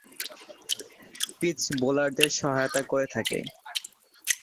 Pitch বোলারদের সহায়তা করে থাকে।